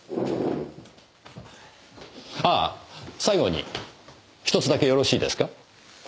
ああ最後にひとつだけよろしいですか？